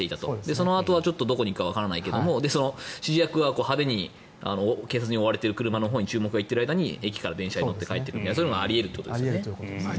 そのあとはどこに行くかわからないけど指示役は派手に、逃走している車のほうに注目が言ってる間に駅から電車に乗って逃げるとかそういうのがあり得るということですよね。